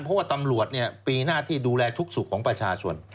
เพราะว่าตำรวจมีหน้าที่ดูแลทุกสุขของประชาชน